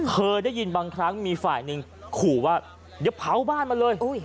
เคยได้ยินบางครั้งมีฝ่ายหนึ่งขู่ว่าเดี๋ยวเผาบ้านมาเลย